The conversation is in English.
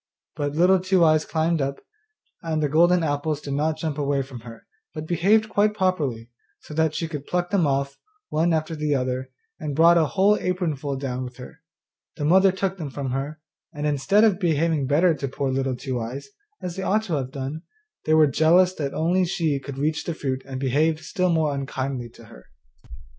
But Little Two eyes climbed up, and the golden apples did not jump away from her, but behaved quite properly, so that she could pluck them off, one after the other, and brought a whole apron full down with her. The mother took them from her, and, instead of behaving better to poor Little Two eyes, as they ought to have done, they were jealous that she only could reach the fruit and behaved still more unkindly to her.